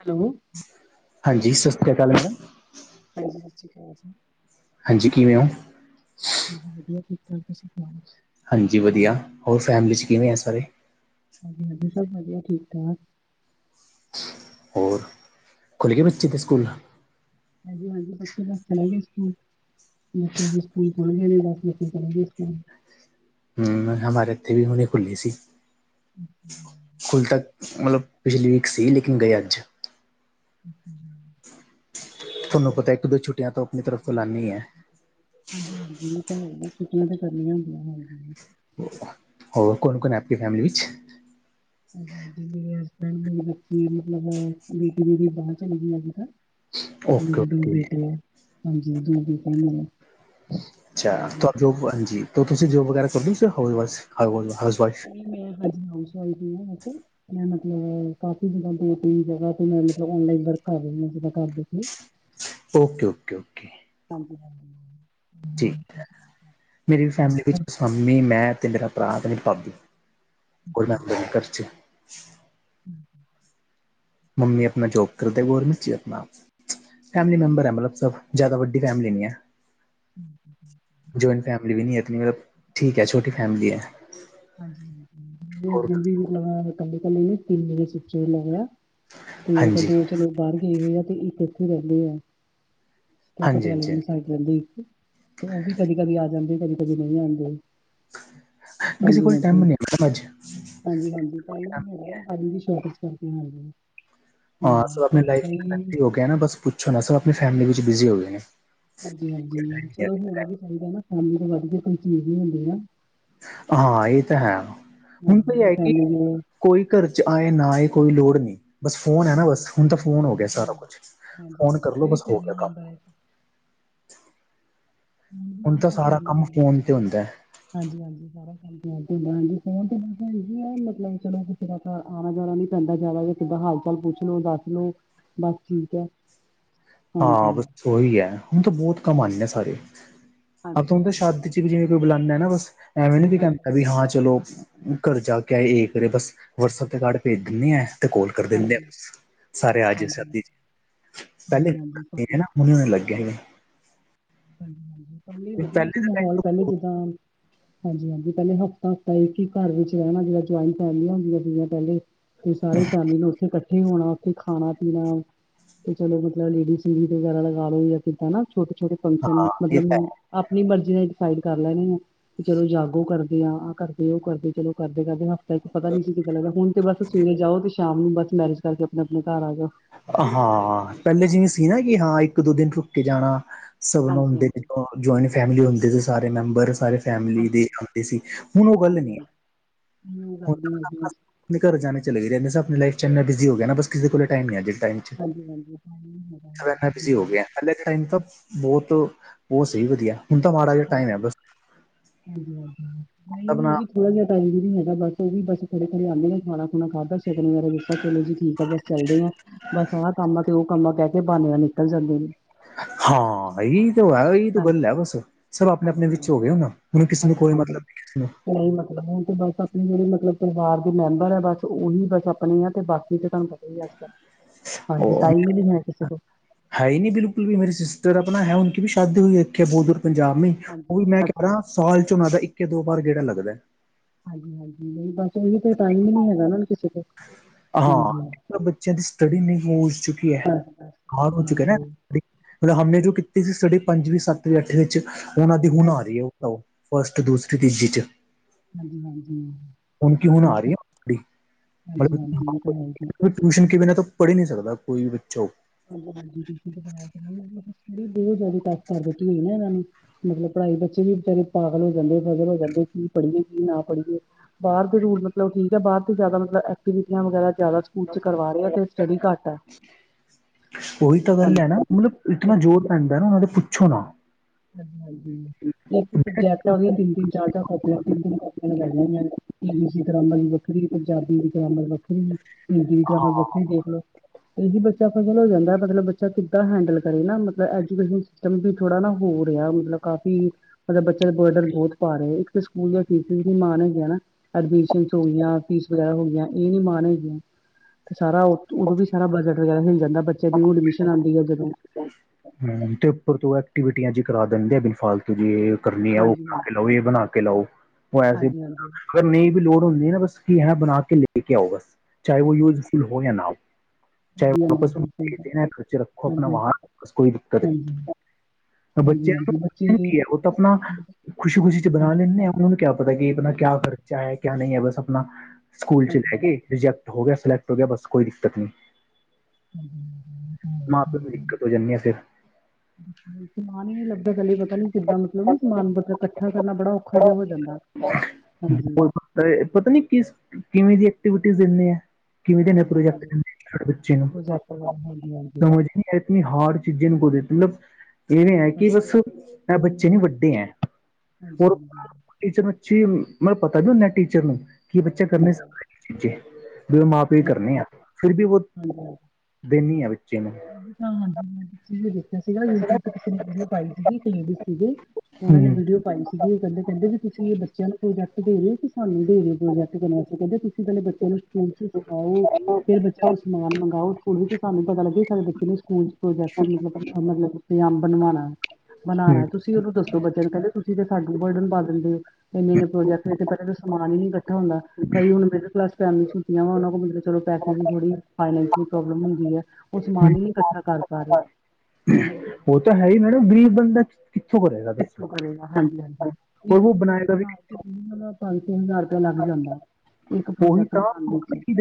Hello. ਹਾਂਜੀ ਸਤਿ ਸ਼੍ਰੀ ਅਕਾਲ madam. [unintelligible] ਹਾਂਜੀ ਕਿਵੇਂ ਹੋ ਵਧੀਆ ਠੀਕ ਠਾਕ ਤੁਸੀਂ ਸੁਣਾਓ? ਹਾਂਜੀ ਵਧੀਆ ਹੋਰ ਫੈਮਿਲੀ ਚ ਕਿਵੇਂ ਐ ਸਾਰੇ। ਹਾਂਜੀ ਸਭ ਵਧੀਆ ਠੀਕ ਠਾਕ। ਹੋਰ ਖੁੱਲ ਗਏ ਬੱਚੇ ਹਾਂਜੀ, ਦੇ ਹਾਂਜੀ, ਸਕੂਲ ਹਾਂਜੀ, ਹਾਂਜੀ ਬੱਚੇ ਤਾਂ ਚਲੇ ਗਏ ਸਕੂਲ। ਬੱਚੇ ਦੇ ਸਕੂਲ ਖੁੱਲ ਗੇ ਤੇ ਬਸ ਬੱਚੇ ਜਾਣਗੇ ਸਕੂਲ। ਹੂ ਹਮਾਰ ਇੱਥੇ ਵੀ ਹੁਣੀ ਖੁੱਲੀ ਸੀ। [inaudible] ਖੁੱਲ ਤਾਂ ਮਤਲਬ ਪਿਛਲੀ ਵੀਕ ਸੀ ਲੇਕਿਨ ਗਏ ਅੱਜ। [inaudible] ਤੁਹਾਨੂੰ ਪਤਾ ਇੱਕ ਦੋ ਛੁੱਟੀਆਂ ਤੋਂ ਆਪਣੀ ਤਰਫ਼ ਤੋ ਲਾਨੀ ਏ। ਹਾਂਜੀ, ਹਾਂਜੀ ਇਹ ਤਾਂ ਹੈ ਛੁਟੀਆਂ ਤਾਂ ਕਰਨੀਆਂ ਹੁੰਦੀਆਂ ਹਾਂਜੀ ਹੋਰ ਕੋਣ ਕੋਣ ਹੈ ਹੈਪੀ ਫੈਮਿਲੀ ਚ। ਜਿੰਨੀਆਂ ਹਸਬੈਂਡ [unintelligible] ਜਨਮ ਦਿਨ ਦਾ ਓਕੇ ਮੇਰੇ ਦੋ ਓਕੇ ਬੇਟੇ ਆ ਹਾਂਜੀ ਦੋ ਬੇਟੇ ਮੇਰੇ। ਅੱਛਾ ਹਾਂਜੀ। ਹਾਂਜੀ ਤੁਸੀਂ ਜੋਬ ਵਗੈਰਾ ਕਰਦੇ ਹੋ ਕੇ housewife housewife housewife. ਮੈਂ ਹਾਂਜੀ ਹਾਊਸ ਵਾਇਫ ਹਾਂ ਐਥੇ। ਮੈਂ ਮਤਲਬ ਕਾਫੀ ਦਿਨਾਂ ਤੋਂ ਕਈ ਜਗ੍ਹਾ ਤੋਂ ਮੈਂ ਔਨਲਾਈਨ ਵਰਕ ਕਰ ਰਹੀ ਹਾਂ ਕਾਵੇ ਤੇ। [inaudible] Okay, okay, okay. ਹਾਂਜੀ ਜੀ ਮੇਰੀ ਫੈਮਿਲੀ ਵਿੱਚ ਹਾਂਜੀ ਮੰਮੀ ਮੈਂ ਤੇ ਮੇਰਾ ਭਰਾ ਤੇ ਭਾਬੀ। ਕੋਈ ਨੀ ਮੈਂ [unintelligible] [inaudible] ਮੰਮੀ ਆਪਣਾ ਜੋਬ ਕਰਦੇ ਗੌਰਮੈਂਟ ਚ ਆਪਣਾ। ਫੈਮਿਲੀ ਮੈਂਬਰ ਹੈ ਮਤਲਬ ਸਭ ਜ਼ਿਆਦਾ ਵੱਡੀ ਫੈਮਿਲੀ ਨੀ ਹੈ। ਜੌਇੰਟ ਫੈਮਲੀ ਵੀ ਨਹੀਂ ਮਤਲਬ ਠੀਕ ਹੈ ਛੋਟੀ ਫੈਮਲੀ ਹੈ। ਹਾਂਜੀ ਹੋਰ [unintelligible] ਕਲੀ-ਕਲੀ ਮੇਰੀ ਸੁਚੀ ਜਗਾ। ਤੇ ਹਾਂਜੀ ਦੋ ਚਲੋ ਬਾਹਰ ਗਏ ਹੋਏ ਆ ਤੇ ਇੱਕ ਇੱਥੇ ਰਹਿੰਦੇ ਆ। ਤੇ ਹਾਂਜੀ ਪਟਿਆਲੇ ਹਾਂਜੀ ਹਾਂਜੀ ਵਾਲੀ ਸਾਈਡ ਰਹਿੰਦੀ ਤੇ ਉਹ ਵੀ ਕਦੀ ਕਦੀ ਆ ਜਾਂਦੇ ਕਦੀ ਕਦੀ ਨਹੀਂ ਆਂਦੇ। ਕਿਸੇ ਹਾਂਜੀ, ਕੋਲ ਟਾਈਮ ਹਾਂਜੀ, ਨਹੀਂ ਹੈ ਮੈਮ ਅੱਜ ਹਾਂਜੀ, ਹਾਂਜੀ [unintelligible] ਹਾਂ ਆਪਣੀ ਘਰ ਲਾਈਫ ਦਾ ਹੀ ਹੋ ਗਿਆ ਨਾ ਬਸ ਪੁੱਛੋ ਨਾ ਸਬ ਆਪਣੀ ਫੈਮਿਲੀ ਵਿੱਚ ਬਿਜ਼ੀ ਹੋ ਗਏ ਨੇ। ਹਾਂਜੀ, ਹਾਂਜੀ ਚਲੋ ਹੋਣਾ ਵੀ ਚਾਹੀਦਾ ਨਾ ਫੈਮਲੀ ਤੋਂ ਵੱਧ ਕੇ ਕੋਈ ਚੀਜ਼ ਨੀ ਹੁੰਦੀ ਆ। ਹਾਂ ਇਹ ਤਾਂ ਹੈ ਹੁਣ ਹਾਂਜੀ ਕੋਈ ਆਪਣੀ ਫੈਮਿਲੀ ਆਈਡੀਆ ਨੂੰ ਕੋਈ ਘਰ ਚ ਆਏ ਨਾ ਆਏ ਕੋਈ ਲੋੜ ਨਹੀਂ। ਬਸ ਫੋਨ ਹੈ ਨਾ ਹਾਂਜੀ ਬਸ ਹੁਣ ਤਾਂ ਫੋਨ ਹੋ ਗਿਆ ਹਾਂਜੀ ਸਾਰਾ ਕੁਛ ਹਾਂਜੀ ਫ਼ੋਨ ਕਰ ਲੋ ਇਹ ਵੀ ਬਸ ਹੋ ਫੈਮਿਲੀ ਗਿਆ ਕੰਮ। ਮੈਂਬਰ ਹੈ ਹੁਣ ਤਾਂ ਸਾਰਾ ਫੈਮਲੀ ਕੰਮ ਮੈਂਬਰ ਫੋਨ ਤੇ ਹੁੰਦਾ। ਹਾਂਜੀ, ਹਾਂਜੀ ਸਾਰਾ ਹਾਂ ਫੋਨ ਤੇ ਮੈਂ ਮਤਲਬ ਚਲੋ, ਕਿਸੇ ਦਾ ਘਰ ਆਣਾ-ਜਾਣਾ ਨੀ ਪੈਂਦਾ ਜਾਦਾ ਦੇਰ ਕਿਦਾਂ ਹਾਲ-ਚਾਲ ਪੁੱਛਲੋ, ਦੱਸਲੋ, ਬਸ ਠੀਕ ਐ। ਹਾਂ, ਬਸ ਉਹੀ ਐ। ਹੁਣ ਤਾਂ, ਬਹੁਤ ਕੰਮ ਆਂਉਂਦੇ ਆ ਸਾਰੇ। ਆਪ ਹਾਂਜੀ ਹਾਂਜੀ ਨਾਂ ਨੂੰ, ਤਾਂ ਹਾਂਜੀ ਸ਼ਾਦੀ'ਚ ਵੀ ਜਿਵੇਂ ਕੋਈ ਬੁਲਾਉਂਦਾ ਨਾ, ਬਸ ਐਵੇਂ ਨੀ ਵੀ ਹਾਂਜੀ ਕਹਿੰਦਾ, ਵੀ ਹਾਂ ਚਲੋ। ਘਰ ਜਾਕੇ ਆਏ, ਇਹ ਕਰੇ ਬਸ ਵਟਸਐਪ ਤੇ ਕਾਰਡ ਭੇਜ ਦਿੰਨੇ ਆ। ਤੇ ਕੋਲ ਕਰਦੇ ਦਿੰਨੇ ਆ, ਹਾਂਜੀ ਸਾਰੇ ਆਜੌ ਸਬ ਜੀ, ਹਾਂਜੀ ਪਹਿਲੇ ਹਾਂਜੀ ਪਹਿਲੇ ਉਹਨੁੰ ਏ ਲੱਗਿਆ ਹੀ ਏ। ਹਾਂਜੀ, ਪਹਿਲੇ ਵਧੀਆ ਸੀ, ਦਾ ਮਾਹੌਲ ਪਹਿਲੇ ਟਾਈਮ ਜਿੱਦਾਂ। ਹਾਂਜੀ-ਹਾਂਜੀ, ਪਹਿਲੇ ਹਫ਼ਤਾ-ਹਫ਼ਤਾ ਇੱਕ ਹੀ ਘਰ ਵਿੱਚ ਰਹਿਣਾ, ਜ ਜੁਆਇੰਟ ਫੈਮਿਲੀਆਂ ਹੁੰਦੀਆਂ ਸੀਗੀਆਂ ਪਹਿਲੇ। ਤੇ ਸਾਰੇ ਫੈਮਲੀ ਨੇ ਉੱਥੇ ਇਕੱਠੇ ਹੋਣਾ, ਉੱਥੇ ਖਾਣਾ-ਪੀਣਾ ਤੇ ਚਲੋ, ਮਤਲਬ ਲੇਡੀਜ਼ ਸੰਗੀਤ ਵਗੈਰਾ ਲਗਾ ਲਓਂਗੇ ਜਿਦਾਂ ਨਾ ਛੋਟੇ-ਛੋਟੇ ਫੰਕਸ਼ਨ, ਹਾਂ ਇਹ ਮਤਲਬ ਤਾਂ ਆਪਣੀ ਮਰਜ਼ੀ ਨਾਲ ਡਿਸਾਈਡ ਕਰ ਲੈਣੇ ਆ, ਵੀ ਚਲੋ ਜਾਗੋ ਕਰਦੇ ਆਂ, ਆਹ ਕਰਦੇ, ਉਹ ਕਰਦੇ ਚਲੋ ਕਰਦੇ-ਕਰਦੇ ਹਫ਼ਤਾ ਇੱਕ ਪਤਾ ਨੀ ਸੀ ਕਿਦਾਂ ਲੱਗਦਾ, ਹੁਣ ਤੇ ਬਸ ਸਵੇਰੇ ਜਾਓ, ਤੇ ਸ਼ਾਮ ਨੂੰ ਬਸ ਮੈਰਿਜ ਕਰਕੇ, ਅਪਣੇ-ਅਪਣੇ ਘਰ ਆ ਜਾਓ। ਹਾਂ। ਪਹਿਲੇ ਜਿਵੇਂ ਸੀ ਨਾ, ਕਿ ਹਾਂ ਇੱਕ-ਦੋ ਦਿਨ ਰੁਕਕੇ ਜਾਣਾ ਸਭ ਨੁੰ ਹੁੰਦੀ, ਹਾਂਜੀ-ਹਾਂਜੀ, ਅ ਜੁਆਇੰਟ ਫੈਮਿਲੀ ਹੁੰਦੀ ਸਾਰੇ ਮੈਂਬਰ, ਸਾਰੇ ਫੈਮਲੀ ਦੇ ਹਾਂਜੀ, ਆਉਂਦੇ ਸੀ, ਹੁਣ ਉਹ ਗੱਲ ਨਹੀਂ ਹੈ। ਹ ਗ [unintelligible] ਆਪਣੇ ਘਰ ਜਾਣੇ ਚਲੇ ਗਏਦੇੇ, ਆਪਣੀ ਲਾਈਫ'ਚ ਇੰਨਾ ਬਿਜੀ ਹੋਗੇ ਨਾ, ਬਸ ਕਿਸੇ ਕੋਲ ਟਾਈਮ ਨਹੀਂ ਆ, ਅੱਜ ਦੇ ਟਾਈਮ। ਚ ਹਾਂਜੀ-ਹਾਂਜੀ। ਸਭ ਇੰਨਾ ਬਿਜ਼ੀ ਹੋ ਗਿਆ ਪਹਿਲੇ ਦੇ ਟਾਈਮ ਤਾਂ ਬਹੁਤ, ਬਹੁਤ ਸਹੀ ਵਧੀਆ, ਹੁਣ ਤਾਂ ਮਾੜਾ ਜਿਹਾ ਟਾਈਮ ਹਾਂਜੀ-ਹਾਂਜੀ ਹੈ ਬਸ ਹਾਂਜੀ-ਹਾਂਜੀ, ਨਹੀਂ ਆਪਣਾ ਵੀ ਥੋੜਾ ਜਿਹਾ ਟਾਈਮ ਨੀ ਹੈਗਾ, ਬਸ ਉਹ ਵੀ ਬੱਸ ਖੜੇ-ਖੜੇ ਆਂਦੇ ਨੇ, ਖਾਣਾ-ਖੁਣਾ ਖਾਕਰ ਕ ਨ ਮੇਰਾ ਦਿੱਤਾ ਚਲੋ ਜੀ ਠੀਕ ਆ, ਬਸ ਚੱਲਦੇ ਆ, ਬਸ ਆਹ ਕੰਮ ਆ, ਤੇ ਉਹ ਕੰਮ‌ਦਾ ਕਹਿਕੇ, ਬਹਾਨੇ ਨਾਲ ਨਿਕਲ ਜਾਂਦੇ ਨੇ। ਹਾਂ, ਇਹੀ ਤੇ ਹੈਗਾ ਈ। ਏਹੀ ਤੋ ਹਾਂਜੀ, ਗੱਲ ਹੈ ਬਸ, ਸਭ ਆਪਣੇ-ਆਪਣੇ ਹਾਂਜੀ-ਹਾਂਜੀ, ਵਿੱਚ ਹੋ ਗਏ ਹੁਨ, ਹੁਨ ਕਿਸੇ ਨੂੰ ਕੋਈ ਮਤਲਬ ਨੀ, ਕਿਸੇ ਨੂੰ ਹੀ ਮਤਲਬ ਹੈ, ਤੇ ਬਸ ਆਪਣੇ ਜਿਹੜੇ ਮਤਲਬ ਪਰਿਵਾਰ ਦੇ ਮੈਂਬਰ ਆ ਬਸ, ਉਹੀ ਬਸ ਆਪਣੇ ਆ ਤੇ ਬਾਕੀ ਤੁਹਾਨੂੰ ਪਤਾ ਹੀ ਅੱਜ-ਕੱਲ, ਹਾਂਜੀ ਉਹ ਟਾਇਮ ਹੀ ਨਹੀ ਹੈ, ਕਿਸੇ ਕੋਲ। ਹੈ ਹੀ ਨਹੀਂ ਬਿਲਕੁਲ ਵੀ, ਮੇਰੇ ਸਿਸਟਰ ਆਪਣਾ ਹੈ, ਉਨਕੀ ਬੀ ਸ਼ਾਦੀ ਹੋਈ ਇੱਥੇ, ਬਹੁਤ ਦੂਰ ਪੰਜਾਬ ਮੇਂ। ਉਹ ਹਾਂਜੀ ਵੀ ਮੈਂ ਕਹਿ ਅੱਛਾ ਜੀ, ਭਰਾਂ, ਸਾਲ'ਚੋ ਓਹਨਾਂ ਦਾ ਇੱਕ ਕੇ, ਦੋ ਵਾਰ ਗੇੜਾ ਲੱਗਦਾ। ਹਾਂਜੀ-ਹਾਂਜੀ, ਨਹੀਂ ਬਸ ਇਹ ਤੇ ਟਾਈਮ ਹੀ ਨਹੀਂ ਹੈਗਾ ਨਾ ਕਿਸੇ ਕੋਲ। ਹਾਂ। ਹਾਂਜੀ ਇੱਟ ਬਸ-ਬਸ ਤਾਂ ਬੱਚਿਆਂ ਦੀ ਸਟੱਡੀ ਨਹੀਂ [unintelligible] ਚੁੱਕੀ ਹੈ ਹਾਰ ਹੋ ਚੁੱਕੇ ਨੇ। ਹਾਂਜੀ-ਹਾਂਜੀ, ਫ ਹਮਨੇ ਜੋ ਕੀਤੀ ਸੀ, ਸਟੱਡੀ ਪੰਜਵੀਂ, ਸੱਤਵੀਂ, ਅੱਠਵੀਂ'ਚ ਉਹਨਾਂ ਦੀ ਹੁਣ ਆ ਰਹੀ ਹੈ। ਫਸਟ, ਦੂਸਰੀ ਤੀਜੀ'ਚ। ਹਾਂਜੀ-ਹਾਂਜੀ। ਹੁਣ ਕੀ, ਹੁਣ ਆ ਰਹੀ ਹੈ, ਹਾਂਜੀ-ਹਾਂਜੀ ਇਹ ਤਾਂ ਹੈ ਹੀ ਹੈ। ਮਤਲਬ ਟਿਊਸ਼ਨ ਕਿ ਬੀਨਾਂ ਤੋ ਪੜ੍ਹ ਹੀ ਨਹੀਂ ਸਕਦਾ, ਕੋਈ ਵੀ ਬੱਚਾ ਹੋ। [unintelligible] ਕਰ ਦਿੱਤੀ ਹੈ, ਨਾ ਇਹਨਾਂ ਨੇ। ਮਤਲਬ, ਪੜ੍ਹਾਈ ਬੱਚੇ ਵੀ ਬੀਚਾਰੇ ਪਾਗਲ ਹੋ ਜਾਂਦੇ, ਪਜ਼ਲ ਹੋ ਜਾਂਦੇ, ਕੀ ਪੜ੍ਹੀਏ, ਕੀ ਨਾ ਪੜ੍ਹੀਏ। ਬਾਹਰ ਦੇ ਰੂਲ ਮਤਲਬ ਠੀਕ ਆ, ਬਾਹਰ ਤੇ ਜਿਆਦਾ ਐਕਟੀਵੀਟੀਆਂ ਵਗੈਰਾ ਜ਼ਿਆਦਾ ਸਕੂਲ'ਚ ਕਰਵਾ ਰਹੇ ਆ, ਤੇ ਸਟੱਡੀ ਘੱਟ ਆ। ਉਹੀ ਤਾਂ ਗੱਲ ਹੈ ਨਾ, ਮਤਲਬ, ਇਤਨਾ ਜ਼ੋਰ ਪੈਂਦਾ ਨਾ ਉਹਨਾਂ ਦੇ, ਪੁੱਛੋ ਨਾ। ਹਾਂਜੀ-ਹਾਂਜੀ, ਇੱਕ ਸਬਜੈਕਟ ਆ, ਉਹਦੀਆਂ ਤਿੰਨ-ਤਿੰਨ, ਚਾਰ-ਚਾਰ ਕਾਪੀਆਂ ਤਿੰਨ-ਤਿੰਨ ਕਾਪੀਆਂ ਲਗਾਂਈਆਂ ਹੋਈਆਂ ਨੇ, ਇੰਗਲਿਸ਼ ਦੀ ਗ੍ਰਾਮਰ ਦੀ ਵੱਖਰੀ, ਪੰਜਾਬੀ ਦੀ ਗ੍ਰਾਮਰ ਵੱਖ ਹਿੰਦੀ ਦੀ ਗ੍ਰਾਮਰ ਵੱਖਰੀ, ਦੇਖਲੋ। ਇਹੀ ਬੱਚਾ ਫਜ਼ਲ ਹੋ ਜਾਂਦਾ, ਮਤਲਬ ਬੱਚਾ ਕਿੱਦਾਂ ਹੈਂਡਲ ਕਰੇ ਨਾ, ਮਤਲਬ ਐਜੂਕੇਸ਼ਨ ਸਿਸਟਮ ਵੀ ਥੋੜਾ ਨਾ ਹੋ ਰਿਹਾ, ਮਤਲਬ ਕਾਫੀ ਮਤਲਬ ਬੱਚਿਆਂ ਤੇ ਬਰਡਨ ਬਹੁਤ ਪਾ ਰਹੇ, ਇੱਕ ਤੇ ਸਕੂਲ ਦੀਆਂ ਫੀਸੀਸ ਨੀ ਮਾਣ ਹੈਗਿਆ ਨਾ। ਐਡਮਿਸ਼ਨ ਚ ਹੋਈਆਂ ਫੀਸ ਵਗੈਰਾ ਹੋ ਗਈਆਂ ਇਹ ਨੀ ਮਾਣ ਹੈਗੀਆਂ। ਤੇ ਸਾਰਾ ਉਦੋਂ ਵੀ ਸਾਰਾ ਬਜਟ ਵਗੈਰਾ ਹਿਲ ਜਾਂਦਾ ਬੱਚਿਆਂ ਦੀ ਐਡਮਿਸ਼ਨ ਆਉਂਦੀ ਹੈ ਜਦੋਂ। ਹਮ ਤੇ ਉੱਪਰ ਤੋਂ ਐਕਟੀਵਿਟੀਆਂ ਜੀ ਕਰਾ ਦਿੰਦੇ ਆ ਬਿਨ ਫਾਲਤੂ ਜੀ। ਕਰਨੀ ਆ ਉਹ ਹਾਂਜੀ ਖ ਕੇ ਹਾਂਜੀ ਲਓ ਹਾਂਜੀ ਇਹ ਬਣਾ ਕੇ ਲਓ ਉਹ ਐਸੇ। ਹਾਂਜੀ ਹਾਂਜੀ ਅਗਰ ਨਹੀਂ ਵੀ ਲੋੜ ਹੁੰਦੀ ਨਾ ਬਸ ਹੈ ਬਣਾ ਕੇ ਲੈ ਕੇ ਆਓ ਬਸ। ਚਾਹੇ ਉਹ ਹਾਂਜੀ ਯੂਜਫੁਲ ਹੋ ਜਾ ਨਾ ਹੋ ਚਾਹੇ ਹਾਂਜੀ ਵਾਪਸ ਹਾਂਜੀ ਸਹੀ ਗੱਲ। ਦੇ ਨਾ ਖਰਚੇ ਰੱਖੋ। ਹਾਂਜੀ ਵਹਾਂ ਹਸ ਕੋਈ ਦਿੱਕਤ ਹਾਂਜੀ ਹਾਂਜੀ ਨਹੀਂ ਹਾਂਜੀ ਹਾਂਜੀ, ਬੱਚੇ ਬੱਚਿਆਂ ਕੀ ਹੈ ਉਹ ਤਾਂ ਆਪਣਾ। ਹਾਂਜੀ ਖੁਸ਼ੀ ਖੁਸ਼ੀ ਚ ਬਣਾ ਹਾਂਜੀ ਲੇੰਦੇ ਹੈ ਉਹਨਾਂ ਨੂੰ ਕਿਆ ਪਤਾ ਕਿ ਇਹ ਆਪਣਾ ਬਣਾ ਕਿਆ ਲੈਣਾ। ਕਰ। ਹੈ ਕਿਆ ਨਹੀਂ ਹੈ ਬਸ ਆਪਣਾ ਸਕੂਲ ਚ ਹਾਂਜੀ ਜਾਹਿ ਕੇ ਰਿਜੈਕਟ ਹੋ ਗਿਆ ਸਿਲੈਕਟ ਹੋ ਗਿਆ ਬਸ ਕੋਈ ਦਿੱਕਤ ਨਹੀਂ। ਹਮ ਹਮ ਹਮ। ਮਾਂ ਪਿਓ ਨੂੰ ਦਿੱਕਤ ਹੋ ਜਾਂਦੀ ਹੈ ਫਿਰ। ਹਮ। ਸਮਾਨ ਹੀ ਨੀ ਲੱਭਦਾ ਪਹਿਲੇ ਪਤਾ ਨੀ ਕਿੱਦਾਂ ਮਤਲਬ ਨਾ ਸਮਾਨ ਇਕੱਠਾ ਕਰਨਾ ਬੜਾ ਔਖਾ ਜਿਹਾ ਹੋ ਜਾਂਦਾ। ਹਾਂਜੀ। ਹੋਰ ਪਤਾ ਪਤਾ ਨੀ ਕਿਸ ਕਿਵੇਂ ਦੀ ਐਕਟੀਵਿਟੀ ਦੇਨੇ ਐ। ਕਿਵੇਂ ਦੇ ਦਿੰਦੇ ਨੇ ਹਾਂਜੀ ਪ੍ਰੋਜੈਕਟ ਹਾਂਜੀ ਸਾਡੇ ਬੱਚਿਆਂ ਪ੍ਰੋਜੈਕਟ ਵਗੈਰਾ ਹਾਂਜੀ ਹਾਂਜੀ ਨੂੰ। ਇਤਨੀ ਹਾਰਡ ਚੀਜ਼ੇ ਨੂੰ ਕੋਦੇ ਮਤਲਬ ਇਵੇਂ ਹੈ ਹਾਂਜੀ ਕਿ ਬਸ ਬੱਚੇ ਨੀ ਵੱਡੇ ਹੈ। ਹਾਂਜੀ ਹਾਂਜੀ। ਟੀਚਰ ਨੂੰ ਬੱਚੇ ਮੈ ਪਤਾ ਨਹੀ ਹੁੰਦਾ ਕਿ ਟੀਚਰ ਹੂੰ ਕੀ ਬੱਚਾ ਕਰ ਨਹੀਂ ਹਾਂਜੀ ਸਕਦਾ। ਵੀ ਮਾਂ ਪਿਓ ਕਰਨੇ ਹਾਂਜੀ ਆ ਫਿਰ ਵੀ ਉਹ ਹਾਂਜੀ, ਦੇਨੀ ਆ ਬੱਚੇ ਨੂੰ। [unintelligible] ਸੀਗਾ ਯੂਟਿਊਬ ਤੇ ਕਿਸੇ ਨੇ ਵੀਡੀਓ ਪਾਈ ਸੀਗੀ ਇੱਕ ਲੇਡੀਜ਼ ਸੀ ਹੂੰ ਉਹਨਾਂ ਨੇ ਵੀਡੀਓ ਪਾਈ ਸੀ। ਉਹ ਕਹਿੰਦੇ ਕਹਿੰਦੇ ਵੀ ਤੁਸੀਂ ਇਹ ਬੱਚਿਆਂ ਨੂੰ ਪ੍ਰੋਜਕਟ ਦੇ ਰਹੇ ਹੋ ਕੇ ਸਾਨੂੰ। ਕਹਿੰਦੇ ਤੁਸੀਂ ਕਹਦੇ ਬੱਚਿਆਂ ਨੂੰ ਸਕੂਲ ਚ ਸਿਖਾਓ ਫਿਰ ਬੱਚਿਆਂ ਕੋਲ ਸਮਾਨ ਮੰਗਾਓ। ਸਕੂਲ ਵਿੱਚ ਸਾਨੂੰ ਪਤਾ ਲੱਗ ਸਕਦਾ ਕਿਨੇ ਸਕੂਲ ਪ੍ਰੋਜੈਕਟਬ ਮਤਲਬ ਬਣਵਾਉਣਾ। ਹੂੰ ਬਣਾਉਣਾ ਤੁਸੀਂ ਉਹਨੂੰ ਦੱਸੋ ਬੱਚਿਆਂ ਨੂੰ ਕਹਿੰਦੇ ਤੁਸੀਂ ਤਾ ਸਾਨੂ ਬਰਡਨ ਪਾ ਦੇਂਦੇ ਓ। ਇੰਨੇ ਇਨ ਪ੍ਰੋਜੈਕਟ ਤੇ ਪਹਿਲਾਂ ਤਾਂ ਸਮਾਨ ਹੀ ਨ ਨਹੀਂ ਇਕੱਠਾ ਹੁੰਦਾ ਕਈ ਹੁ ਮਿਡਲ ਕਲਾਸ ਫੈਮੱਆਂ ਵਾ ਉਹਨਾਂ ਕੋਲ ਮਤ। ਚਲੋ ਪੈਸੇ ਦੀ ਥੋੜੀ ਫਾਇਨਾਂਸ ਪ੍ਰੋਬਲਮ ਹੁੰਦੀ ਹੈ ਉਹ ਸਮਾਨ ਹੂੰ ਨੀ ਇਕੱਠਾ ਕਰ ਪਾ ਰਹੇ। ਉਹ ਤਾਂ ਹੈ ਹੀ ਮੈਡਮ ਗ਼ਰੀਬ ਬੰਦਾ ਕਿੱਥੋਂ ਕਰੇਗਾ ਦੱਸੋ ਇਥੋਂ ਕਰੇਗਾ ਹਾਂਜੀ ਹਾਂਜੀ ਔਰ ਇੱਕ ਉਹ ਪ੍ਰੋਜੈਕਟ ਬਣਾਏਗਾ ਵੀ ਬਣਾ ਪੰਜ ਤਿੰਨ ਹਜ਼ਾਰ ਰੁਪਇਆ ਲੱਗ ਜਾਂਦਾ ਇੱਕ ਉਹੀ ਪ੍ਰੋਜੈਕਟ ਤਾਂ ਬਨਾਣ ਦੇ ਉਹ ਵਿੱਚ। ਨਹੀਂ।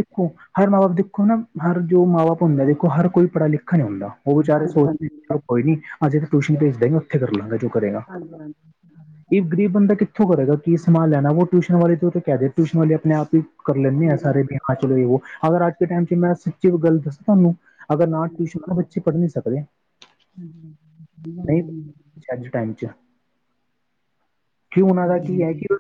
ਹਰ ਮਾਂ ਬਾਪ ਦੇਖੋ ਨਾ ਹਰ ਜੋ ਮਾਂ ਬਾਪ ਹੁੰਦਾ ਦੇਖੋ ਹਰ ਕੋਈ ਪੜ੍ਹਾ ਲਿਖਿਆ ਨਹੀਂ ਹੁੰਦਾ। ਉਹ ਵਿਚਾਰੇ ਹਾਂਜੀ ਹਾਂਜੀ ਸੋਚਦੇ ਕੋਈ ਨੀ ਅੱਜੇ ਤਾਂ ਟਿਊਸ਼ਨ ਭੇਜ ਦ ਕਰ ਲਾਂਗਾ ਜੋ ਕਰੇਗਾ ਹਾਂਜੀ ਹਾਂਜੀ ਇਹ ਗ਼ਰੀਬ ਬੰਦਾ ਕਿੱਥੋਂ ਕਰੇਗਾ ਕੀ ਸਮਾਨ ਲੈਣਾ ਵੋ ਟਿਊਸ਼ਨ ਵਾਲੇ ਤੋਂ ਤਾਂ ਕਹਿ ਦੇਓ ਟਿਊਸ਼ਨ ਵਾਲੇ ਆਪਣੇ ਆਪ ਹੀ। ਕਰ ਲੈਂਦੇ ਆਂ ਹਾਂਜੀ ਹਾਂਜੀ ਸਾਰੇ ਵੀ ਹਾਂ ਚਲੋ ਇਹੋ ਅਗਰ ਅੱਜ ਦੇ ਟੈਮ ਚ ਮੈਂ ਸੱਚੀ ਗੱਲ ਦੱਸਾਂ ਤੁਹਾਨੂੰ। ਅਗਰ ਨਾ ਟਿਊਸ਼ਨ ਹੋ ਤਾਂ ਬੱਚੇ ਪੜ੍ਹ ਨਹੀਂ ਸਕਦੇ। ਹਮ ਨਹੀਂ ਗੱਲ ਅੱਜ ਟਾਈਮ ਚ ਕਿ ਉਹਨਾਂ ਦਾ ਹਾਂਜੀ ਕੀ ਹੈ ਕਿ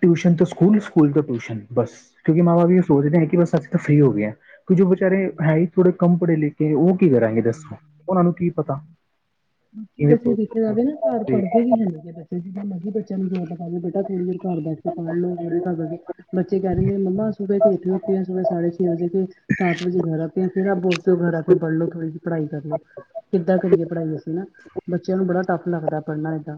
ਟਿਊਸ਼ਨ ਤੋਂ ਸਕੂਲ ਸਕੂਲ ਤੋਂ ਟਿਊਸ਼ਨ ਬਸ ਕਿਉਂਕਿ ਮਾਂ ਹਾਂਜੀ ਬਾਪ ਏ ਹਾਂਜੀ ਸੋਚਦੇ ਹੈ ਕਿ ਬਸ ਅਸੀਂ। ਫ੍ਰਰੀ ਹੋ ਗਿਆ ਕਿ ਜੋ ਬੇਚਾਰੇ ਹੈਈ ਥੋੜੇ ਕਮ ਪੜ੍ਹੇ ਲਿਖੇ ਉਹ। ਕੀ ਕਰਾਂਗੇ ਹਾਂਜੀ ਦੱਸੋ ਉਹਨਾਂ ਨੂੰ ਕੀ ਪਤਾ। ਕਿਵੇਂ ਵੈਸੇ ਦੇਖਿਆ ਜਾਵੇ ਨਾ ਘਰ ਪੜ੍ਹਦੇ ਪੜਦੇ ਵੀ ਹੈਗੇ ਨੀ ਬੱਚੇ ਜਿੱਦਾਂ ਮਰਜ਼ੀ ਬੱਚਿਆਂ ਨੂੰ ਜ਼ੋਰ ਲਗਾ ਲੋ ਬੇਟਾ ਥੋੜੀ ਦੇਰ। ਘਰ ਬੈਠਕੇ ਪੜ੍ਹ ਲੋ ਬੱਚੇ ਕਹਿ ਦੇਂਦੇ ਨੇ ਮੰਮਾ ਸ਼ੁਭਏ ਤੋਂ ਉਠੇ ਹੋਤੇ ਹੈ ਸਾਢੇ ਛੇ ਵਜੇ ਕੇ। ਸਤ ਵਜੇ ਘਰ ਆਤੇ ਹੈਂ ਫਿਰ ਆਪ ਬੋਲਦੇ ਹੋ ਘਰ ਆ ਕੇ ਪੜਲੋ। ਪੜ੍ਹਾਈ ਕਰ ਲਓ ਕਿੱਦਾਂ ਕਰੀਏ ਪੜ੍ਹਾਈ ਅਸੀਂ ਨਾ ਬੱਚਿਆਂ ਨੂੰ ਬੜਾ ਟੱਫ ਲੱਗਦਾ ਪੜ੍ਹਨਾ ਏਦਾਂ।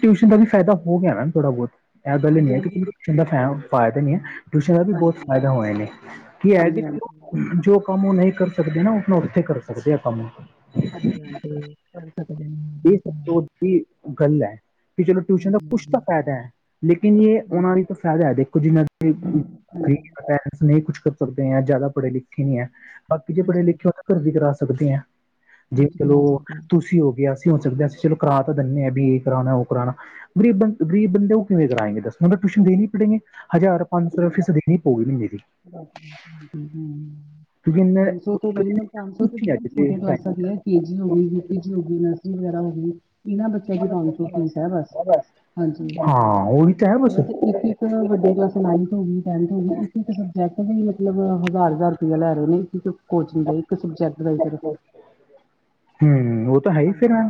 ਟਿਊਸ਼ਨ ਦਾ ਵੀ ਫਾਇਦਾ ਹੋ ਗਿਆ ਨਾ ਥੋੜਾ ਬਹੁਤ ਇਹ ਗੱਲ ਹੀ ਨੀ ਹਾਂਜੀ ਹੈ ਹਾਂਜੀ ਕ਼ੀ। ਦਾ ਫਾਇਦਾ ਨੀ ਹੈ ਟਿਊਸ਼ਨ ਦਾ ਵੀ ਬਹੁਤ ਫਾਇਦਾ ਹੋਆ ਨੇ ਕੀ ਹੈ ਕਿ ਹਾਂਜੀ ਹਾਂਜੀ ਜੋ। ਕੰਮ ਉਹ ਨਹੀਂ ਕਰ ਸਕਦੇ ਨਾ ਆਪ ਉੱਥੇ ਕਰ ਸਕਦੇ ਆ ਆਪਾਂ। ਹਾਂਜੀ ਹਾਂਜੀ ਕਰ ਸਕਦੇ। ਇਹ ਤਾ ਸਭ ਦੀ ਗੱਲ ਹੈ ਕਿ ਚਲੋ ਟਿਊਸ਼ਨ ਦਾ ਹਾਂਜੀ ਹਾਂਜੀ ਕੁਛ ਤਾਂ ਹਾਂਜੀ ਫ਼ਾਇਦਾ ਹੈ। ਲੇਕਿਨ, ਇਹ ਉਹਨਾਂ ਲਈ ਹਾਂਜੀ ਤਾਂ, ਫ਼ਾਇਦਾ ਦੇਖੋ ਜਿੰਨਾ ਨਹੀਂ ਹਾਂਜੀ ਕੁੱਛ ਕਰ ਸਕਦੇ ਆ, ਜ਼ਿਆਦਾ ਪੜ੍ਹੇ ਲਿਖੇ ਨੀ ਹੈ, ਬਾਕੀ ਜੇ ਪੜ੍ਹੇ ਹਾਂਜੀ ਲਿਖੇ ਹੋ ਤਾਂ, ਘਰ ਵੀ ਕਰਾ ਸਕਦੇ ਅ ਜੇ ਹਾਂਜੀ ਕਰਾ ਚਲੋ, ਸਕਦੇ ਤੁਸੀਂ ਹੋਗੇ ਅਸੀਂ ਹੋ ਸਕਦੇ ਹਾਂ, ਅਸੀਂ ਚਲੋ ਕਰਾ ਤਾਂ ਦਿੰਦੇ ਹਾਂ ਵੀ, ਇਹ ਕਰਾਉਣਾ ਉਹ ਕਰਾਉਣਾ ਗਰੀਬ ਬੰਦੇ -ਗਰੀਬ ਬੰਦੇ ਉਹ ਕਿਵੇਂ ਕਰਾਏਂ ਗੇ ਦਸ ਮਨਟ ਟਿਊਸ਼ਨ ਦੇਣੀ ਪੜੇਗੇ ਹਜ਼ਾਰ ਪੰਜ ਸੋ ਰਪਯਾ ਫੀਸ ਦੇਖਣੀ ਪਊਗੀ ਮੇਰੀ। ਹਮ [inaudible] ਕਿਉਂਕਿ ਇੰਨੇ ਪੰਜ ਸੌ ਤੇ ਮਿਨੀਮਮ ਪੰਜ ਸੌ ਕੁਛ ਤੋਂ ਨਹੀਂ ਬਿਲਕੁਲ ਅੱਜ ਦੇ ਛੋਟੇ ਕਲਾਸਾਂ ਟਾਈਮ ਦੀ ਹੈ। ਪੀ ਜੀ ਹੋ ਗਈ, ਪੀ ਜੀ ਹੋ ਗਈ ਨਰਸ। [unintelligible] ਇਨਾਂ ਬੱਚਿਆਂ ਦੀ ਪੰਜ ਸੌ ਫੀਸ ਹੈ ਬਸ ਹਾਂਜੀ ਹਾਂ ਉਹੀ ਤਾਂ ਹੈ ਬਸ ਹੋਰ ਤੇ ਇ ਕੀ ਕਇਯਾਂ ਵੱਡੀਆਂ ਕਲਾਸਾਂ ਨਾਈ ਥ ਵੀ, ਟੈਂਥ ਵੀ, ਇੱਕ ਇੱਕ ਸਬਜੈਕਟ ਵੀ ਲ ਮਤਲਬ ਹਜ਼ਾਰ-ਹਜ਼ਾਰ ਰੁਪਇਆ ਲੈ ਰਹੇ ਨੇ ਇਕ ਕੋਚਿੰਗ ਦਾ ਇੱਕ ਸਬਜੈਕਟ ਦਾ ਈ ਸਿਰਫ। ਹੂੰ ਓ ਹਾਂਜੀ।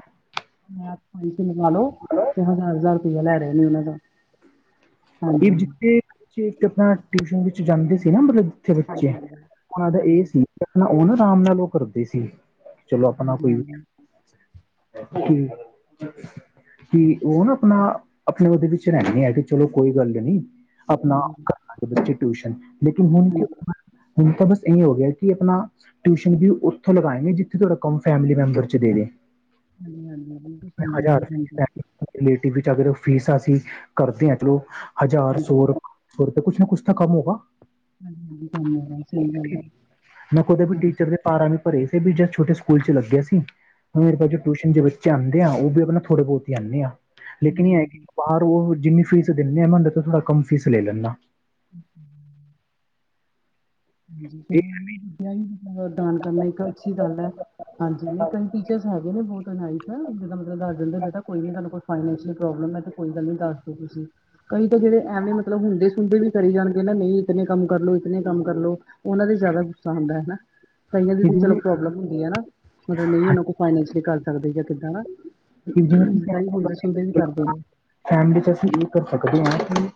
ਮੈਂ [unintelligible] ਲਵਾ ਲੋ ਤੇਂੌ ਹਜ਼ਾਰ- ਹਜ਼ਾਰ ਰੁਪਇਆ ਲੈ ਰਹੇ ਨੇ ਐਨਾਂ ਦਾ। ਏਹ ਹਾਂਜੀ ਜਿੱਥੇ ਬੱਚੇ ਆਪਣਾ ਟਿਊਸ਼ਨ ਵਿੱਚ ਜਾਂਦੇ ਸੀ ਨਾ ਮਤਲਬ ਥੇ ਹਾਂਜੀ ਬੱਚੇ ਹਾਂਜੀ ਉਨਾਂ ਦਾ ਏਹ ਹਾਂਜੀ ਸੀ ਓ ਨਾ ਆਰਾਮ ਨਾਲ ਓ ਕਰਦੇ ਸੀ‌ ਚਲੋ ਆਪਣਾ ਹਾਂਜੀ ਹਾਂਜੀ ਕੋਈ, ਹਾਂਜੀ ਜੀ-ਜੀ। ਕੀ ਉਹ ਨਾ ਆਪਣਾ। ਆਪਣੇ ਉਹਦੇ ਵਿੱਚ ਰਹਿੰਦੇ ਹੈ ਕਿ ਚਲੋ ਕੋਈ ਗੱਲ ਨੀ, ਆਪਣਾ ਕਰਨਾਟਕ ਟਿਊਸ਼ਨ ਲੇਕਿੰਨ ਹੁਣ ਹਾਂਜੀ ਕਿਉਂ ਹੁਣ ਤਾਂ ਬਸ ਇਹੀ ਹੋ ਗਿਆ ਕਿ ਆਪਣਾ ਟਿਊਸ਼ਨ ਵੀ ਉੱਥੋਂ ਲਗਾਏ ਗੇ ਜਿੱਥੇ ਤੁਹਾਡਾ ਕੰਮ ਫੈਮਿਲੀ ਮੈਂਬਰ ਚ ਦੇ ਰਹਿ ਹੈ। ਹਾਂਜੀ ਹਾਂਜੀ ਬਿਲਕੁਲ ਸਹੀ ਗੱਲ ਹਜ਼ਾਰ ਸੀ ਹੈ ਟੈਗ ਕਮੇਟੀ ਵਿੱਚ ਅਗਰ ਫੀਸਾਂ ਅਸੀਂ ਕਰਦੇ ਹਾਂ ਚਲੋ ਹਜ਼ਾਰ ਹਾਂਜੀ ਹਾਂਜੀ ਸੌ ਰ ਹੋਰ ਤਾਂ ਕੁਛ ਨਾ ਕੁਛ ਤਾਂ ਕੰਮ ਹੋਗਾ। ਹਾਂਜੀ ਹਾਂਜੀ ਕੰੰਨ [inaudible] ਮੈਂ ਕਦੇ ਵੀ ਟੀਚਰ ਦੇ ਪਾਰਾਂ ਵੀ ਪਰੇ ਸੀ ਵੀ ਜਦ ਛੋਟੇ ਸਕੂਲ ਚ ਲਗੇਯਾ ਸੀ। ਮੇਰੇ ਟਿਊਸ਼ਨ ਬੱਚੇ ਆਉਂਦੇ ਆ ਉਹ ਵੀ ਆਪਣਾ ਥੋੜੇ -ਬਹੁਤ ਹੀ ਆਉਂਣੇ ਆਂ, ਲੇਕਿਨ ਹਾਂਜੀ ਇਹ ਹੈ ਕਿ ਹਾਂਜੀ ਬਾਹ ਉਹ ਜਿੰਨੀ ਫੀਸ ਦਿੰਦੇ ਆ, ਥੋੜ੍ਹਾ ਕੰਮ ਫੀਸ ਲੈ ਲੈਂਦਾ। ਅ ਹਮ। ਹਂਜੀ ਦਾਨ ਦਵਾਈ ਕਰਨਾ ਇੱਕ ਅੱਛੀ ਗੱਲ ਹੈ। ਹਾਂਜੀ ਨਹੀਂ ਕਈ ਟੀਚਰ ਹੈਗ। ਜਿਨੇ ਵੀ ਫੋਨ ਕਰਨਾ ਇਦਰ, ਇਸਦਾ ਮਤਲਬ ਦਸ ਦੇਂਦੇ ਬੇਟਾ ਕੋਈ ਨੀ ਕੋ ਫਾਇਨੈਨਸ਼ੀਅਲ ਪ੍ਰੋਬਲਮ ਹੈ। ਤੇ ਕੋਈ ਗੱਲ ਨੀ ਦੱਸ ਦੇਸ਼ ਤੁਸੀਂ। ਕਈ ਤੇ ਜੇੜੇ ਐਵੇ ਮਤਲਬ ਹੁੰਦੇ ਸੁੰਦੇ ਵੀ ਕਰੀ ਜਾਣਗੇ ਨਾ ਨਈ ਇਤਨੇ ਕੰਮ ਕਰਲੋ, ਇਤਨੇ ਕੰਮ ਕਰਲੋ। ਔਨਾਂ ਤੇ ਜ਼ਿਆਦਾ ਗੁੱਸਾ ਆਂਦਾ ਹੈਨਾ। ਕਈਆਂ ਦੀ ਤੇ ਚਲੋ ਪ੍ਰੋਬਲਮ ਹੁੰਦੀ ਐ ਨਾ ਮਤਲਬ ਨਹੀਂ ਔਨਾਂ ਕੋ ਫਾਂਸੀ ਵੀ ਕਰ ਸਕਦੇ ਜਾ ਕਿੱਦਾ ਨਾ ਕਈ ਹੁੰਦੇ-ਸੁੰਦੇ ਵੀ ਕਰਦੇ ਜੇ। ਫੈਮਿਲੀ ਚ ਅਸੀਂ ਏਹ ਕਰ ਸਕਦੇ ਹਾਂ ਕਿ ਹੁਣ,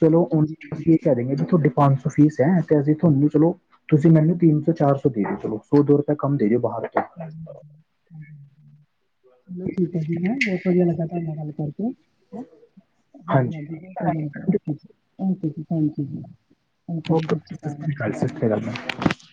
ਚਲੋ ਹੁ ਹਾਂਜੀ ਹਾਂਜੀ ਅਸੀ ਕਹਿ ਦਿੰਗੇ ਜੀ ਤੁਹਾਡੇ ਪੰਜ ਸੌ ਫ਼ੀਸ ਐ ਬੰਤ ਤੇ ਅਸੀਂ ਤੁਹਾਨੂੰ ਚਲੋ ਤੁਸੀਂ ਮੈਨੂੰ ਤਿੰਨ-ਸੌ, ਚਾਰ-ਸੌ ਦੇ ਦਿਓ ਚਲੋ ਸੋ-ਦੋ ਸੋ ਰੁਪਏ ਕੰਮ ਦੇ ਦਿਓ ਬਾਹਰ ਤੋਂ [inaudible] ਚਲੋ ਠੀਕ ਹੈ ਜੀ ਮੈਂ ਬਹੁਤ ਵਧੀਆ ਲੱਗਾ ਤੁਹਾਡੇ ਨਾਲ ਗੱਲ ਕਰਕੇ, ਹਾਂਜੀ ਹਾਂਜੀ। [unintelligible] ਓਕੇ ਜੀ, ਥੈਂਕਯੂ ਜੀ। ਓਕੇ ਜੀ ਸਤਿ ਸ੍ਰੀ ਅਕਾਲ, ਸ਼੍ਰੀ ਸਤਿ ਓਕੇ- ਸ਼੍ਰੀ ਅਕਾਲ ਮੈਮ ਥੈਂਕਯੂ।